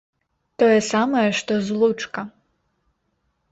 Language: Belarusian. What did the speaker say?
Тое самае, што злучка!